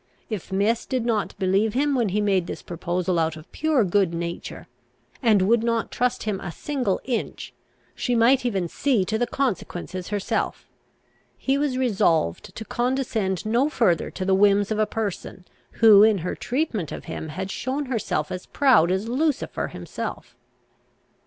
If Miss did not believe him, when he made this proposal out of pure good nature, and would not trust him a single inch, she might even see to the consequences herself. He was resolved to condescend no further to the whims of a person who, in her treatment of him, had shown herself as proud as Lucifer himself.